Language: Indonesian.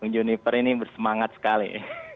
juniper ini bersemangat sekali